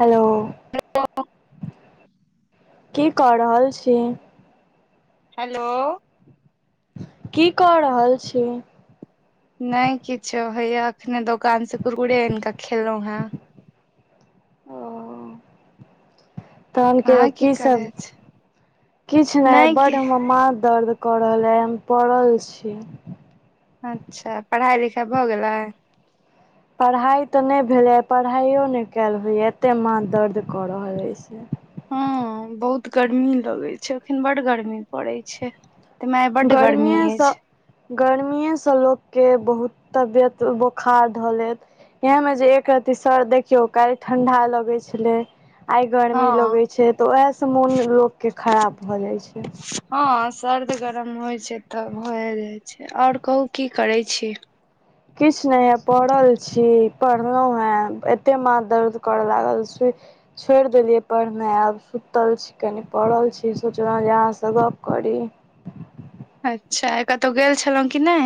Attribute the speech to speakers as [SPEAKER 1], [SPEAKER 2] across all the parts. [SPEAKER 1] Hello
[SPEAKER 2] [unintelligible]
[SPEAKER 1] की क रहल छी
[SPEAKER 2] हेलो
[SPEAKER 1] की क रहल छी
[SPEAKER 2] नै किछो हैया अखने दोकान स कुरकुरे आनि कऽ खेलहु ह।
[SPEAKER 1] ओ ऽ ऽ तहन कहियो
[SPEAKER 2] अहाँ
[SPEAKER 1] की सब
[SPEAKER 2] करै छी
[SPEAKER 1] किछ नै
[SPEAKER 2] नहि
[SPEAKER 1] बड
[SPEAKER 2] कि
[SPEAKER 1] हमर माथ दर्द कर रहल अइ आ हम पड़ल छी।
[SPEAKER 2] अच्छा पढ़ाई लिखाइ भऽ गेलैय।
[SPEAKER 1] पढ़ाइ तऽ नै भेलैये पढ़ाइयो नै कैल होइयो एतेक माथ दर्द कऽ रहल ह से
[SPEAKER 2] ह बहुत गर्मी लगेय छैय एखन बड गर्मी पड़ैय छैय। तैयमे आय बड गरमी अछि।
[SPEAKER 1] गर्मीए सँ लोक के बहुत तबियत बुखार धऽ लेत। यह मे जे एक रती सर देखियौ काल्हि ठंडा लगैय छलैय। आइ
[SPEAKER 2] हँ
[SPEAKER 1] गर्मी लगैय छैय तऽ ओहेस मोन लोक के खराब भऽ जाइ छैय।
[SPEAKER 2] ह सर्द गरम होइ छैय तऽ भए जाइ छैय आओर कहु की करेय छी।
[SPEAKER 1] किछु नै हैया पड़ल छी पढ़लहु ह एतेक माथ दर्द करय लागल सुइत छोड़ि देलियै पढ़नैय आब सुतल छी कनि पड़ल छी सोचलहु जे अहास गप्प करी।
[SPEAKER 2] अच्छा आय कतहु गेल छलहु कि नै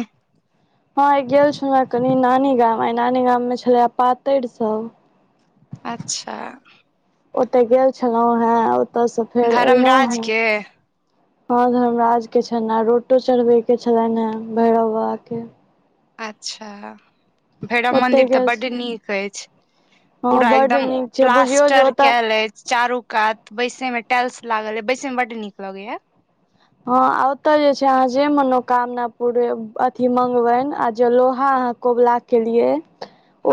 [SPEAKER 1] हँ आय गेल छलहु हा कनी नानी गाम आइ नानी गाममे छलैय आय पातरि सब
[SPEAKER 2] अच्छा
[SPEAKER 1] ओतय गेल छलहु हय ओतय सऽ फेर एलहु
[SPEAKER 2] धर्मराज
[SPEAKER 1] हे
[SPEAKER 2] के
[SPEAKER 1] हँ धर्म राज के छैन रोटो चढ़बे के छलनि ह भैरव बाबा के
[SPEAKER 2] अच्छा भैरव
[SPEAKER 1] ओते
[SPEAKER 2] मंदिर तऽ
[SPEAKER 1] गेल
[SPEAKER 2] बड्ड नीक अछि
[SPEAKER 1] हँ
[SPEAKER 2] पूरा
[SPEAKER 1] बड
[SPEAKER 2] एकदम
[SPEAKER 1] नीक छै बुझियौ जे
[SPEAKER 2] प्लास्टर
[SPEAKER 1] ओतऽ
[SPEAKER 2] कैल अछि। चारू कात बैसेय मऽ टैल्स लागल यै बैसेय मे बड नीक लगैये।
[SPEAKER 1] हँ ओतऽ जे छैय अहा जे मनोकामना पूरे अथी मंगबनि आ जे लोहा अहा कबुला केेलिये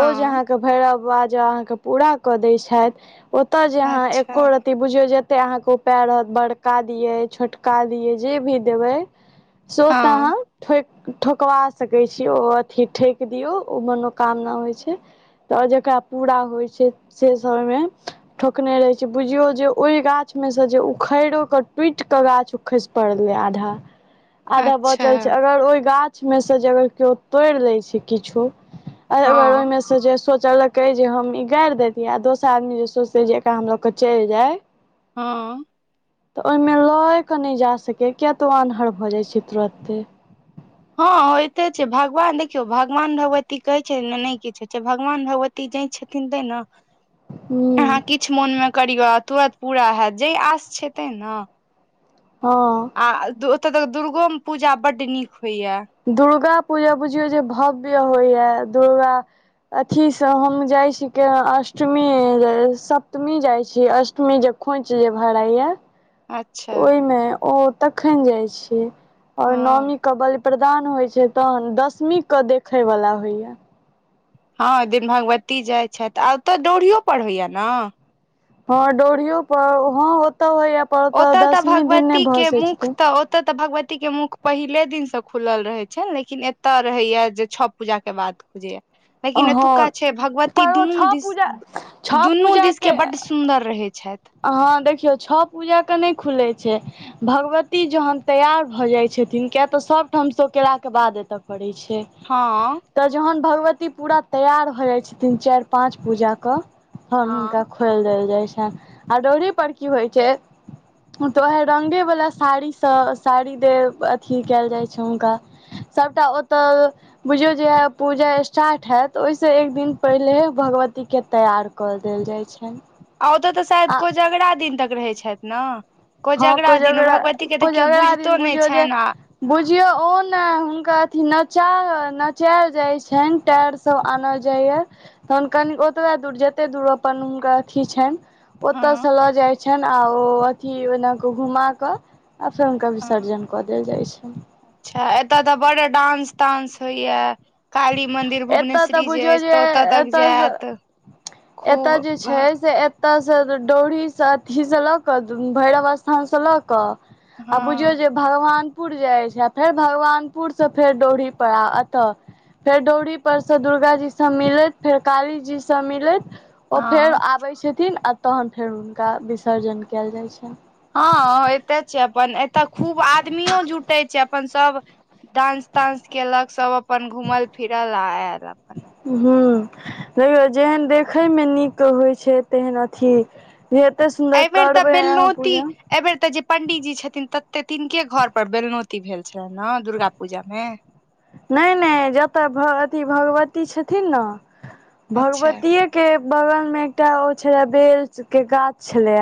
[SPEAKER 1] ओ जे अहाक भैरव बबा जँ आहाक पुरा कऽ दैय छैथ ओतय जँ आहा
[SPEAKER 2] अच्छा
[SPEAKER 1] एको रति बुझियौ जतेक अहाके उपाय रहत बड़का दियैय छोटका दियैय जे भी देबैय। से ओतय
[SPEAKER 2] हँ
[SPEAKER 1] आहाँ ठोकि ठोकबा सकैय छी ओ अथी ठोकि दियौ ओ मनोकामना होइ छैय। तऽ जेकरा पूरा होइ छैय से सब ओहिमे ठोकने रहेय छैय बुझियो जे ओहि गाछमे से जे उखिड़ो के टूटि कऽ गाछ खसि पड़लैय आधा आधा
[SPEAKER 2] अच्छा
[SPEAKER 1] बचल छैय अगर ओहि गाछ ओहिमे सँ जे यदि तोरि लैय छैय किछो अगर
[SPEAKER 2] हँ
[SPEAKER 1] ओहिमे सँ से जे सोचलकैय जे हम इ गारि देैतियै आ दोसर आदमी जे सोचतै जे एकरा हम लके चलि जाय।
[SPEAKER 2] हँ
[SPEAKER 1] तऽ ओहिमे लए कऽ नै जा सकैये किया तऽ ओ आन्हर भऽ जाइत छैय तुरते
[SPEAKER 2] हँ होइते छैय भगवान देखियौ भगवान भगवती कहैय छैय नऽ नै किछु होइ छैय भगवान भगवती भगवती जाय छथिन तैय नऽ
[SPEAKER 1] हु
[SPEAKER 2] किछ मोन मऽ करियौ तुरंत पुरा हैत जैय आस छैय तैय नऽ
[SPEAKER 1] हँ
[SPEAKER 2] आ ओ ओतऽ तऽ दुर्गो पुजा बड नीक होइयै।
[SPEAKER 1] दुर्गा पुजा बुझियौ जे भव्य होइए दुर्गा अथीस हम जाइ छी कै अष्टमी सप्तमी जाइत छी अष्टमी जे खोइछ जे भरैयै
[SPEAKER 2] अच्छा
[SPEAKER 1] ओहिमे ओ तखन जाइ छी आओर नौमी
[SPEAKER 2] हँ
[SPEAKER 1] कऽ बलि प्रदान होइ छैय तहन दसमीेके देखयवला होइए।
[SPEAKER 2] हँ ओहि दिन भगवती जाइ छथि आ ओतऽ डोढ़ियो पर होइये नऽ
[SPEAKER 1] हँ डयोढीयो पर हँ ओतौ होयै
[SPEAKER 2] ओतय तऽ भगवती के मुख तऽ ओ ओतए तऽ भगवती के मुख पहिले दिन से खुलल रहे छै लेकिन एते रहे या जे छओ पूजा के बाद, खुज लेकिन
[SPEAKER 1] हँ
[SPEAKER 2] एतुका छै भगवती
[SPEAKER 1] पर ओ
[SPEAKER 2] दुनू
[SPEAKER 1] छओ
[SPEAKER 2] दिस
[SPEAKER 1] पूजा छओ
[SPEAKER 2] दुनू
[SPEAKER 1] पूजा
[SPEAKER 2] दिस के बड्ड सुन्दर रहै छथि,
[SPEAKER 1] हँ देखियौ छओ पूजा कऽ नहि खुलै छै, भगवती जखन तैयार भऽ जाइत छथिन कियाक तऽ सभठामसँ केलाके बाद एतय करय छै,
[SPEAKER 2] हँ।
[SPEAKER 1] तऽ जहन भगवती पूरा तैयार हो जाय छथिन चारि पाँच पूजा कऽ तहन हुनका
[SPEAKER 2] हँ
[SPEAKER 1] [unintelligible] जाइत छनि आ दौड़री पर की होइत छै, तऽ उएह रङ्ंगेवला साड़ी सँ साड़ी दे अथी कयल जाइत छै हुनका सभटा ओतय बुझियौ जे पूजा स्टार्ट हएत ओहिसँ एक दिन पहिले भगवती केँ तैयार कऽ देल जाइ छन
[SPEAKER 2] आ ओतय तऽ शायद को जगरा दिन तक रहैत छथि ने
[SPEAKER 1] हँ को
[SPEAKER 2] कोजगरा दिन
[SPEAKER 1] झगड़ा
[SPEAKER 2] भगवती के तऽ
[SPEAKER 1] कोइ
[SPEAKER 2] केओ
[SPEAKER 1] झगड़ा
[SPEAKER 2] बुझितो
[SPEAKER 1] दिन
[SPEAKER 2] नहि
[SPEAKER 1] बुझौ जे
[SPEAKER 2] छनि आ
[SPEAKER 1] बुझियो ओ ने हुनका अथी नचा नचल जाय छनि टेर सभ आनल जाइए तखन कनि ओतबहि दूर जतेक दूर अपन हुनकर अथथि छनि
[SPEAKER 2] हँ
[SPEAKER 1] ओतयसँ लऽ जाइत छनि आ ओ अथिी ओना क घुमा कऽ आ फेर हुनका
[SPEAKER 2] हँ
[SPEAKER 1] विसर्जन कऽ देल जाइत छै,
[SPEAKER 2] अच्छा एतय तऽ बड़ डांस तानंस होइया काली मंन्दिर
[SPEAKER 1] एतय तऽ
[SPEAKER 2] भुवनेश्वरी जे
[SPEAKER 1] बुझियौ
[SPEAKER 2] अछि तऽ ओतय तक
[SPEAKER 1] एतय
[SPEAKER 2] जायत
[SPEAKER 1] एतय जे
[SPEAKER 2] खूब
[SPEAKER 1] छै से एत ओतय से डोढ़ी से अथी से लऽ कऽ भैरव स्थान से लऽ कऽ आबुझियौ
[SPEAKER 2] हँ
[SPEAKER 1] जे भगवानपुर जाइ छै फेर भगवानपुरसँ फेर डोढ़ी पर आ एतऽ फेर डौरी परसँ दुर्गा जी सब मिलैत फेर काली जी से मिलैत ओ फेर
[SPEAKER 2] हँ
[SPEAKER 1] आबै छथिन आ तहन फेर हुनका विसर्जन कयल जाइ छनि
[SPEAKER 2] हँ एते छै अपन एतऽ खूब आदमियो जुटे छै अपन सभ डानंस तानंस केलक सब अपन घूमल फिरल आ आयल अपन
[SPEAKER 1] ह ल जेहन देखयमे नीक होइ छै तेहन अथी भी एते सुन्दर करबै अहाँ पूजा
[SPEAKER 2] एहिबेर तऽ जे पंडीजी छथिन तते तिनके घर पर बेलनौती भेल छलनि ह दुर्गा पूजा मे।
[SPEAKER 1] नहि नहि जतऽ अथ भगवती छथिन ने
[SPEAKER 2] अच्छा
[SPEAKER 1] भगवतीेये के बगल में एकटा ओ छले बेल के गाछ छले,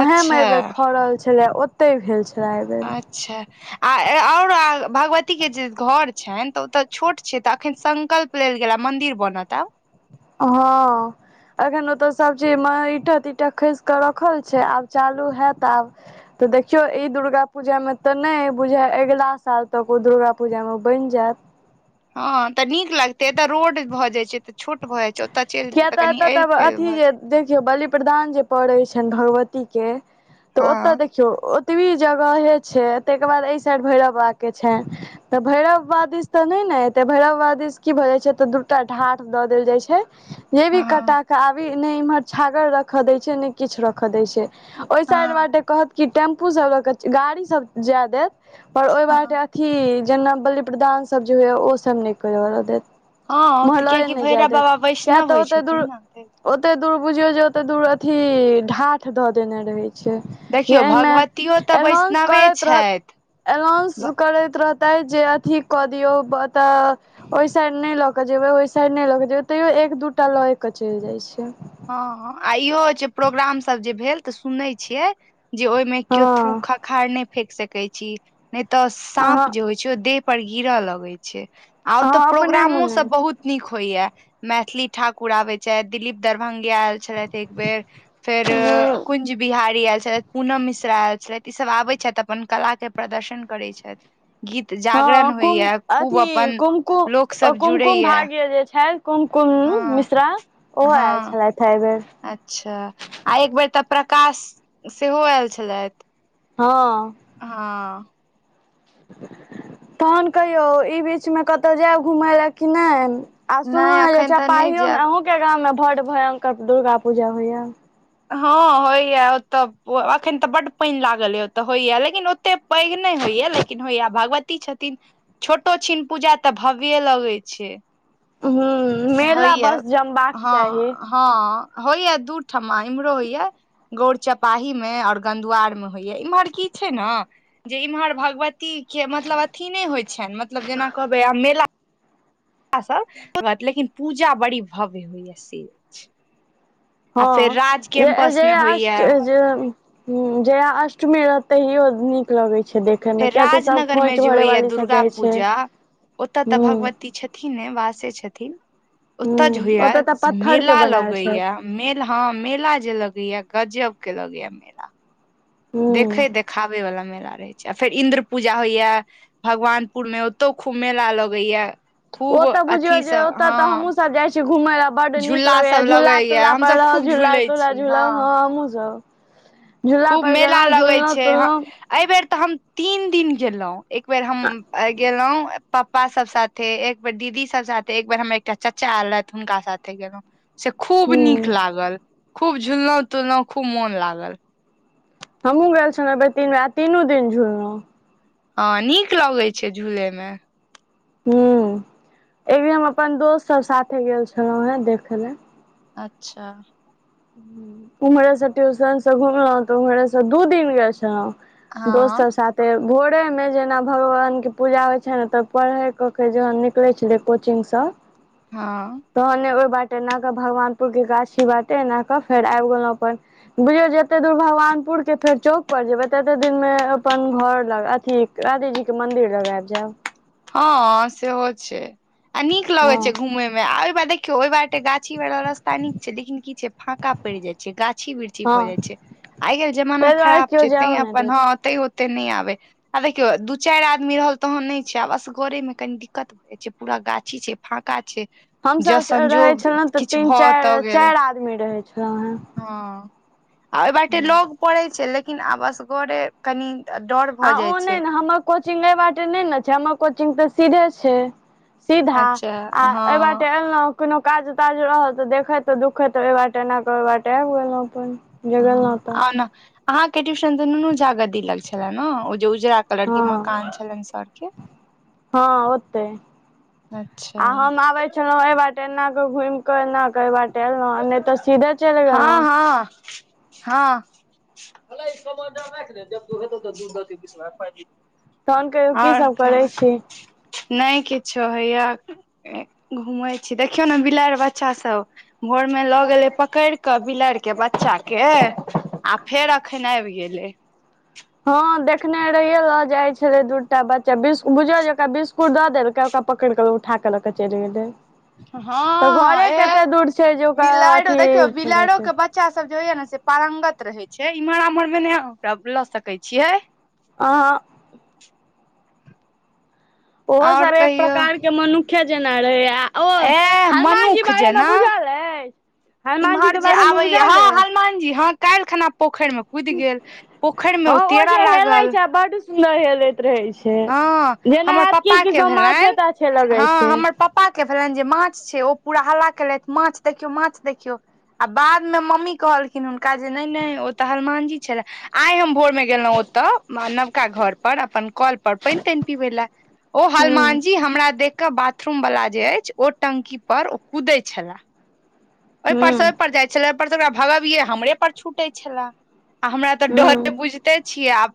[SPEAKER 1] उएहेमे
[SPEAKER 2] अच्छा
[SPEAKER 1] एहि बेर फड़ल छलै ओतहि भेल छलए एहिबर
[SPEAKER 2] अच्छा। आ और भगवती के जे घर छनि तऽ ओतऽ छोट छै तऽ अखन संकल्प लेल गेला मन्दिर बनत अब
[SPEAKER 1] हँ। अखन ओतऽ सब चीज मे इट तीट खस के रखल छै आब चालू हयत आब तऽ देखियौ ई दुर्गा पूजामे तऽ नहि अइ बुझाइ अगिला साल तक ओ दुर्गा पूजामे बनि जायत
[SPEAKER 2] हँ तऽ नीक लगते एतऽ रोड भऽ जाइ छै, तऽ छूट भए जाय छै ओतय चलि
[SPEAKER 1] किया
[SPEAKER 2] जेतय तऽ कनी
[SPEAKER 1] एतय
[SPEAKER 2] आल फैल
[SPEAKER 1] अथी
[SPEAKER 2] भए
[SPEAKER 1] जे
[SPEAKER 2] जाय
[SPEAKER 1] देखियौ बलि प्र्रदान जे पड़े छनि भगवती के तऽ ओतय देखिय
[SPEAKER 2] हँ
[SPEAKER 1] देखियौ ओतबी जगहे छै ताहिके बाद एहि साइड भैरव बा के छैन तऽ भैरव वादी से ते नहि ने एते भैरव वादी से की भ जाय छै तऽ दूटा ढाट द देल जाय छै ये भी
[SPEAKER 2] हँ
[SPEAKER 1] कटा के आबी ने इम्हर छागर रखऽ दै छै ने किछु रखऽ दै छै ओहि साइड
[SPEAKER 2] हँ
[SPEAKER 1] बारटे कहत की टेम्पू सब ल के गाड़ी सब जाय देत पर ओहि
[SPEAKER 2] हँ
[SPEAKER 1] बारटे की जेना बलि प्रदान सब जे होयओ सबा निय कहिओ
[SPEAKER 2] हँ तऽ
[SPEAKER 1] मोहल्लाय
[SPEAKER 2] कियकि
[SPEAKER 1] नहि जा
[SPEAKER 2] भैरव
[SPEAKER 1] देे
[SPEAKER 2] बाबा
[SPEAKER 1] क्य
[SPEAKER 2] वैष्णव
[SPEAKER 1] तऽ
[SPEAKER 2] होइ
[SPEAKER 1] होते द
[SPEAKER 2] छथिन ने
[SPEAKER 1] ओते दूर बुझियौ जे ओते दूर अथी ढाठ दऽ देने रहै छै जे
[SPEAKER 2] देखियौ
[SPEAKER 1] एहिमे
[SPEAKER 2] भगवतियो तऽ
[SPEAKER 1] एनाउंस
[SPEAKER 2] वैष्णवे
[SPEAKER 1] करैत रहत
[SPEAKER 2] छथि
[SPEAKER 1] अनाउंस करैत रहते जे अथी कऽ दियौताऽ ओहि साइड नहि ल जेबै ओहि साइड नय लऽ कऽ जेबै तैयो एक दू टा लऽ कऽ चल जाइ छै
[SPEAKER 2] हँ आइहो होय छै जे प्रोग्राम सब जे भेल तऽ सुनै छियै जे ओय में
[SPEAKER 1] हँ
[SPEAKER 2] कियो थूक अखाड़ नय फेेक सके छी ने तऽ
[SPEAKER 1] अहाँ
[SPEAKER 2] साॅंप जे होइ छै देह पर गिर लगे छै आ ओतऽ
[SPEAKER 1] अहाँ अपने
[SPEAKER 2] प्रोग्रामो
[SPEAKER 1] मुने
[SPEAKER 2] सब बहुत नीक होइया मैथिली ठाकुर आबे छैथ‌‌ थदिलीप दरभंगिया आयल छलेथ एक बेर फेर
[SPEAKER 1] हँ
[SPEAKER 2] कुंज बिहारी आयल छलैत पूनम मिश्रायल छलैथ ई सब आबै छथि अपन कला के प्रदर्शन करै छैथ
[SPEAKER 1] हँ कुम अथी
[SPEAKER 2] अपन
[SPEAKER 1] कुमकुम
[SPEAKER 2] लोक सब
[SPEAKER 1] कुमकुम
[SPEAKER 2] जुड़ैया
[SPEAKER 1] भाग्य जे छैथ कुमकुम
[SPEAKER 2] हँ
[SPEAKER 1] मिश्रा ओहो
[SPEAKER 2] हँ
[SPEAKER 1] आयल छलैथ ह एहि बेर
[SPEAKER 2] अच्छा आ एक बेर तऽ प्रकाश सेहो आयल छलैथ
[SPEAKER 1] हँ
[SPEAKER 2] हँ
[SPEAKER 1] तहन कहियौ ई बीचमे कतो जायब घुमय लए कि नय आ
[SPEAKER 2] नहि
[SPEAKER 1] सुनलहु हे जे
[SPEAKER 2] एखन तऽ नहि
[SPEAKER 1] चपाहियों म
[SPEAKER 2] जायब
[SPEAKER 1] अहूँ के गाम में बड भयंकर दुर्गा पूजा होइया
[SPEAKER 2] हँ होइए ओतय एखन तऽ बड पाईन लागल यए ओतय होइया लेकिन ओतेक पैघ नय होइया लेकिन होइया भगवती छथिन छोटो छिन पूजा तऽ भव्ये लगैय छै
[SPEAKER 1] हूँ मेला
[SPEAKER 2] होइया
[SPEAKER 1] बस जमबाक चाही
[SPEAKER 2] हँ हँ होइय दू ठमा इम्हरो होइय गौर चपाही मे और गंगदुवार‌ मे होइया इम्हर की छै ने जे इम्हर भगवती के मतलब अथी नय होइ छैन मतलब जेना कहबै आब मेला सब लेकिन पूजा बड़ी भव्य होइया से ऐछ
[SPEAKER 1] हँ जे
[SPEAKER 2] कैम्पस मे
[SPEAKER 1] जेयहा
[SPEAKER 2] होइया
[SPEAKER 1] अष्ट जे हू जया अष्टमी रहत तहियो नीक लगे छै देखय
[SPEAKER 2] फेर राजनगर में जे होइया दुर्गा
[SPEAKER 1] जाइ छै
[SPEAKER 2] पूजा ओतय तऽ
[SPEAKER 1] हूँ
[SPEAKER 2] भगवती छथिन ने वासे छथिन
[SPEAKER 1] हूँ
[SPEAKER 2] ओतय जे होइया
[SPEAKER 1] ओतऽ तऽ पत्थर के
[SPEAKER 2] मेला
[SPEAKER 1] बनायल
[SPEAKER 2] लगे
[SPEAKER 1] छै
[SPEAKER 2] या मेला ह मेला जे लगे या गजब के लगेया मेला
[SPEAKER 1] हूँ
[SPEAKER 2] देखे देखाबे वाला मेला रहै छै फेर इन्द्र पूजा होइया भगवानपुर मे ओतौ खूब मेला लगैया खूब
[SPEAKER 1] ओतऽ बुझियौ
[SPEAKER 2] अथी
[SPEAKER 1] जे
[SPEAKER 2] सब
[SPEAKER 1] ओतय तऽ
[SPEAKER 2] हँ
[SPEAKER 1] हमहुसब जाइ छी घुम लऽ बड नीक
[SPEAKER 2] झूला
[SPEAKER 1] लगे या
[SPEAKER 2] सब
[SPEAKER 1] झूला
[SPEAKER 2] लगैया
[SPEAKER 1] तूला पर
[SPEAKER 2] हमसब खूब
[SPEAKER 1] रहब झूला
[SPEAKER 2] झूले
[SPEAKER 1] तूला
[SPEAKER 2] छी
[SPEAKER 1] झूला
[SPEAKER 2] हँ
[SPEAKER 1] हमहू सब झूला
[SPEAKER 2] खूब
[SPEAKER 1] पर
[SPEAKER 2] मेला
[SPEAKER 1] गेलहुँ
[SPEAKER 2] लगै
[SPEAKER 1] झुललहुँ
[SPEAKER 2] छै ह
[SPEAKER 1] तुललहुँ
[SPEAKER 2] एहि बेर तऽ हम तीन दिन गेलो एक बेेर हम गेलो पप्पा सब साथे एक बेर दीदी सब साथे एकबेर हमर एकटा चाचा आयलथि हुनका साथे गेलों से खूब नीक
[SPEAKER 1] हूँ
[SPEAKER 2] लागल खूब झुललो तुललो खूब मोन लागल
[SPEAKER 1] हमूँ गेल छलहुँ तीन बेरा तीनू दिन झुलो
[SPEAKER 2] हँ नीक लगैत छै झूले में
[SPEAKER 1] हू एक बेर हम अपन दोस्त सब साथे गेल छलो हे देखय लऽ
[SPEAKER 2] अच्छा
[SPEAKER 1] उम्हरे टयूशन से घुमलहु तऽ उम्हरे सँ दू दिन गेल छलो
[SPEAKER 2] हँ
[SPEAKER 1] दोस्त सब साथ तऽ भोरे नय जेना भगवानके पूजा होइ छै ने तऽ पढ़ै कऽ के जहन निकलै छलै कोचिगसँ
[SPEAKER 2] हां
[SPEAKER 1] तहने ओहि बाटे एनाकऽ भगवानपुर के गाछी ई बाटे एना कऽ फेर आएब गेलहुँ अपन बुझियौ जते दूर भगवानपुर के फेर चौक पर जेबे तते देर मे अपन घर लग अथी राधे जीके मंन्दिर लग आयब जायब
[SPEAKER 2] हाॅं सेहो छै आ नीक लगे
[SPEAKER 1] हँ
[SPEAKER 2] छै घूमे में आ ओहि बार देखियौ ओहि बाटे ते गाछी वाला रस्ता नीक छै लेकिन की छै फाका पड़ जाय छै गाछी वृक्षी
[SPEAKER 1] हँ
[SPEAKER 2] भऽ जाय छै आइ काल जमाना
[SPEAKER 1] ताहि दुआरे
[SPEAKER 2] खराब
[SPEAKER 1] केओ
[SPEAKER 2] छै तें
[SPEAKER 1] जायओ नहि
[SPEAKER 2] अपन
[SPEAKER 1] देत
[SPEAKER 2] हाथ ते ओते नहि आबे आ देखियौ दू चारि आदमी रहल तहन नहि आ बसगरे मऽ कनी दिक्कत भऽ जाइ छै पूरा गाछी छै फका छै जँ
[SPEAKER 1] हमसभ रहैत
[SPEAKER 2] संजोग
[SPEAKER 1] छलहुँ तऽ
[SPEAKER 2] किछु
[SPEAKER 1] तीन
[SPEAKER 2] भऽ तऽ
[SPEAKER 1] चारि
[SPEAKER 2] गेल
[SPEAKER 1] चारि आदमी रहै छलहुँ हे
[SPEAKER 2] हँ आ ओहि बाटे लग पड़ै छै लेकिन आब‌ असगरे कनी डर
[SPEAKER 1] आ
[SPEAKER 2] भऽ जाय
[SPEAKER 1] ओ
[SPEAKER 2] छै
[SPEAKER 1] नहि ने हमर कोचिंग एह बाटे नहि नऽ छै हमर कोचिंग तऽ सीधे छै सीधा
[SPEAKER 2] अच्छा
[SPEAKER 1] आ एहि
[SPEAKER 2] हँ
[SPEAKER 1] बाटे एलहुँ कोनो काज ताज रहल तऽ देखैत दुःखैत एहि बाटे एनाकऽ ओहि बाटे आबि गेलहुँ अपन जे
[SPEAKER 2] हां
[SPEAKER 1] गेलहुँ तऽ
[SPEAKER 2] औ नऽ अहाँके ट्यूशन ते नुनू झागद दिलक छले ने ओ जे उजरा कलर के
[SPEAKER 1] हँ
[SPEAKER 2] मकान छलनि सर के
[SPEAKER 1] हँ ओतै
[SPEAKER 2] अच्छा
[SPEAKER 1] चलहुँ एहि बाटे एनाकऽ घुमि कऽ एनाकऽ एहि बाटे एलहुँ नहि तऽ सीधे चलि गेलहुँ
[SPEAKER 2] हाॅं हाॅं हेला ई कमनडल राइख ले जब दूहेता तब तऽ दूध
[SPEAKER 1] तहन कहियौ की
[SPEAKER 2] और
[SPEAKER 1] सब करै छी
[SPEAKER 2] कही नहि किछो हैइया घुमै छी देखियौ ने बिलाड़ बच्चा सब भोर में लऽ गेलै पकड़ि कऽ बिलाड़ि के बच्चा के आ फेर अखैन आबि गेलै
[SPEAKER 1] हाॅं देखने रहिये लऽ जाइ छलै दू टा बच्चा बिस्क बुझियो जे ओकरा बिस्कुट दऽ देलकै ओकरा पकड़ि कऽ उठाक लकऽ चेल गेलै तऽ
[SPEAKER 2] हँ
[SPEAKER 1] घरे
[SPEAKER 2] ए
[SPEAKER 1] कते दूर छै जे ओकरा
[SPEAKER 2] बिलाड़ो
[SPEAKER 1] अथि
[SPEAKER 2] देखियौ बिलाड़ो
[SPEAKER 1] रहतै
[SPEAKER 2] के बच्चा सब जे होय ये से पारंगत रहे छै इमहर आमहर मे नेओकरा लऽ सके छियै
[SPEAKER 1] अहाँ ओहो
[SPEAKER 2] आओर
[SPEAKER 1] सब एक
[SPEAKER 2] कहियौ
[SPEAKER 1] प्रकार कऽ मनुखे जेना रहै आ ओ
[SPEAKER 2] एह
[SPEAKER 1] हनुमान जी
[SPEAKER 2] मनुख
[SPEAKER 1] बारे मे
[SPEAKER 2] जेना
[SPEAKER 1] बुझल अछि हनुमान जी
[SPEAKER 2] इम्हर
[SPEAKER 1] के
[SPEAKER 2] जे
[SPEAKER 1] बारे मे
[SPEAKER 2] आबे यऽ
[SPEAKER 1] बुझल
[SPEAKER 2] हाॅं
[SPEAKER 1] अइ
[SPEAKER 2] हनुमान जी हाॅं काल्हि खना पोखरि में कुद गेल पोखरि में ओ
[SPEAKER 1] हँ
[SPEAKER 2] तेरा
[SPEAKER 1] जे हेलै
[SPEAKER 2] लागल
[SPEAKER 1] छै बड सुन्दर हेलैत रहे छै
[SPEAKER 2] हँ
[SPEAKER 1] जेना
[SPEAKER 2] हमर
[SPEAKER 1] हाइत
[SPEAKER 2] पप्पा
[SPEAKER 1] कि
[SPEAKER 2] के
[SPEAKER 1] माछे
[SPEAKER 2] भेलनि
[SPEAKER 1] ताछे लगे
[SPEAKER 2] हँ
[SPEAKER 1] छै
[SPEAKER 2] हमर पप्पा कऽ भेलनि जे माछ छै ओ पूरा हल्ला केलथि माछ देखियौ माछ देखियौ आ बाद मे मम्मी कहलखिन हुनका जे नैहि नैहि ओ तऽ हनुमानजी छले आइ हम भोर मे गेलहुँ ओता नवका घर पर अपन कोल पैन तैन पीबै ला ओ
[SPEAKER 1] हूँ
[SPEAKER 2] हनुमान जी हमरा देख के बाथरूम वला जे अछि ओ टंकी पर ओ कुदे छला
[SPEAKER 1] हूँ
[SPEAKER 2] ओहिपर सऽ ओहिपर जाय छले ओहिपर से ओकरा भगाविये हमरे पर छूटे छले आ हमरा तऽ
[SPEAKER 1] हूँ
[SPEAKER 2] डर बुझते छियै आ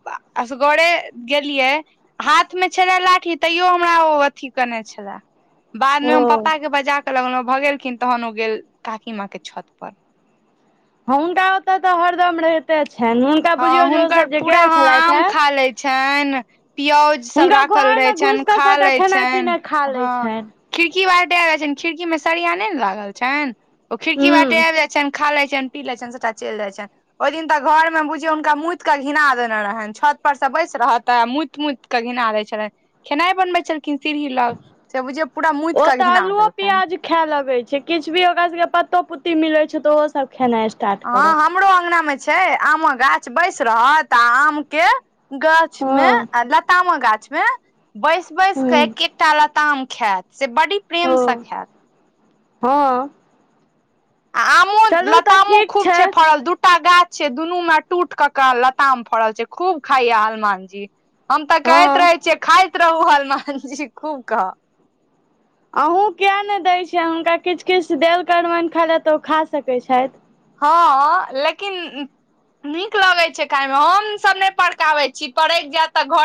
[SPEAKER 2] असगरे गेलियै हाथमे छले लाठी तैयो हमरा ओ अथी कने छले बाद मऽ
[SPEAKER 1] ओ
[SPEAKER 2] हम पप्पा के बजा के लगलहु भग गेलखिन तहन ओ गेल काकी माँ के छत पर
[SPEAKER 1] हुनका ओतय तऽ हरदम रहिते छैन ह
[SPEAKER 2] हाॅं हुनकर पूरा हाॅं आम खा लेन छनि प्योज सब
[SPEAKER 1] हुनका
[SPEAKER 2] राखल
[SPEAKER 1] घर
[SPEAKER 2] रहै
[SPEAKER 1] मे
[SPEAKER 2] छनि
[SPEAKER 1] घुसि कऽ
[SPEAKER 2] खा
[SPEAKER 1] सभटा
[SPEAKER 2] लैत
[SPEAKER 1] खेनाइ
[SPEAKER 2] छनि
[SPEAKER 1] पिनाइ खा लै
[SPEAKER 2] हाॅं
[SPEAKER 1] छनि
[SPEAKER 2] खिड़की बाटे आबि जाय छनि खिड़की मऽ सरिया नहि ने लागल छनि ओ खिड़की बारटे
[SPEAKER 1] हूं
[SPEAKER 2] आबि जाय छनि खाले छनि पीले छनि सबटा चल जाइ छनि ओहि दिन तऽ घर में बुझ जे हुनका मूत कै घना देने रहनि छत पर सॅं बैस रहते मूत मूत कै घिना देै छलनि खेनाइ बनबै छलखिन सीढ़ी लग से बुझिय पूरा मूत कऽ घिना देलकनि
[SPEAKER 1] खायए लगे छै। किछ भी ओकरा सबके पत्तो पुत्ती मिले छै तो ओहो सब खेनाय
[SPEAKER 2] हँ हमरो अंगना मे छै आमक गाछ बैस रहत आ आम के गाछ
[SPEAKER 1] हँ
[SPEAKER 2] मे आ लतामक गाछ मे बैस बैस
[SPEAKER 1] हूं
[SPEAKER 2] कऽ एक एकटा लताम खायत से बड़ी
[SPEAKER 1] ओ
[SPEAKER 2] प्रेमसँ खायत।
[SPEAKER 1] हँ
[SPEAKER 2] लतामो
[SPEAKER 1] चलू तऽ
[SPEAKER 2] लतामो
[SPEAKER 1] ठीक
[SPEAKER 2] खूब छै फड़ल दू दूटा गाछ छै दुनू में टूट क का लताम फड़ल छै खूब खाइया हनुमान जी हम तऽ
[SPEAKER 1] हँ
[SPEAKER 2] कहैत रहे छियै खाइत रहू हनुमान जी खूब कऽ
[SPEAKER 1] अहूँ किया नैहि दैत छियनि हुनका किछ किछ देल करबनि खायइ ला तऽ ओ खा सकैत छथि
[SPEAKER 2] हाॅं लेकिन नीक लगै छै खाय मऽ हमसभ नैहि पड़काबै छी पड़ैक जायत तऽ घर